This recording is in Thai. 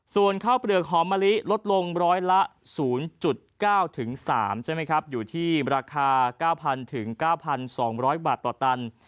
ส่วนข้าวเปลือกหอมมะลิลดลงร้อยละศูนย์จุดเก้าถึงสามใช่ไหมครับอยู่ที่ราคาเก้าพันถึงเก้าพันสองร้อยบาทต่อตัน